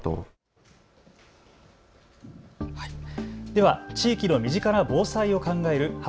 では地域の身近な防災を考える＃